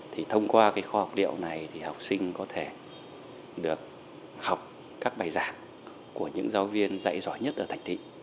thì thông qua cái khoa học điệu này thì học sinh có thể được học các bài giảng của những giáo viên dạy giỏi nhất ở thành thị